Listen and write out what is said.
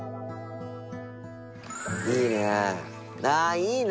いいね。